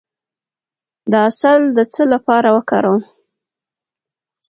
د عسل د څه لپاره وکاروم؟